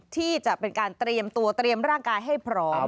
ที่จะเป็นการเตรียมตัวเตรียมร่างกายให้พร้อม